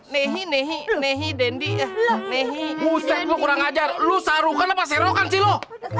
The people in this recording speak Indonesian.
nehi nehi nehi dendi nehi musik lu kurang ajar lu sarukan apa serokan ciro